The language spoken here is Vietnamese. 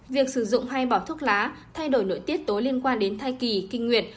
việc sử dụng hay bỏ thuốc lá thay đổi nội tiết tối liên quan đến thai kỳ kinh nguyệt